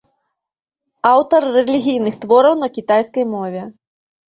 Аўтар рэлігійных твораў на кітайскай мове.